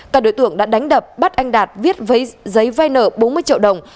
các đối tượng đã đánh đập bắt anh đạt viết giấy vai nợ bốn mươi triệu đồng